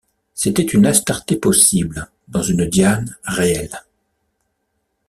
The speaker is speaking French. C’était une Astarté possible dans une Diane réelle.